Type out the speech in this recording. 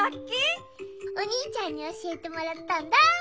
おにいちゃんにおしえてもらったんだ。